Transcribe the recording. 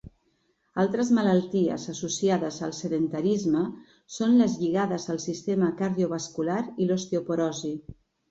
Altres malalties associades al sedentarisme són les lligades al sistema cardiovascular i l'osteoporosi.